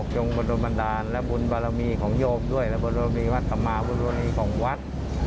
จงบรรโดรมดาลและบุญบารมีของโยปด้วยและบรรโดรมีวัฒน์กลับมาบรรโดรมีของวัด